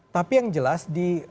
tapi yang jelas di